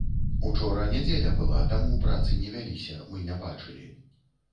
Учора нядзеля была, таму працы не вяліся, мы не бачылі.